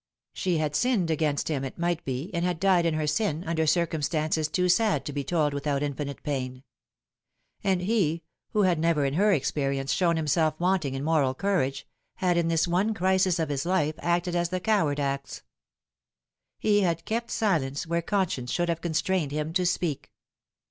She had sinned against him, it might be, and had died in her sia, under circumstances too sad to be told without infinite pain : and he, who had never in her experience shown himself want ing in moral courage, bad in this one crisis of his life acted as the coward acts. He had kept silence where conscience should have constrained him to speak.